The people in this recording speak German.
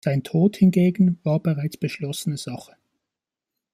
Sein Tod hingegen war bereits beschlossene Sache.